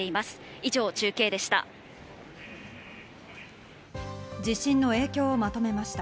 以上、中継でした。